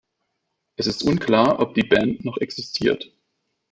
Es ist unklar, ob die Band noch existiert.